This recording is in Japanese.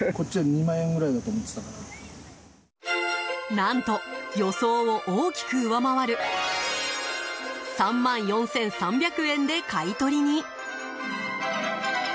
何と予想を大きく上回る３万４３００円で買い取りに！